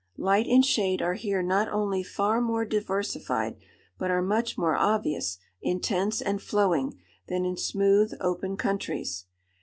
Light and shade are here not only far more diversified, but are much more obvious, intense, and flowing, than in smooth, open countries.